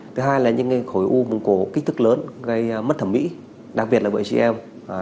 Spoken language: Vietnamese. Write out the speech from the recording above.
thứ hai là những khối u cổ kích thước lớn gây mất thẩm mỹ đặc biệt là bởi chị em